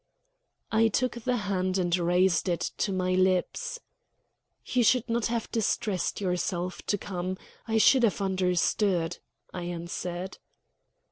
I took the hand and raised it to my lips. "You should not have distressed yourself to come; I should have understood," I answered.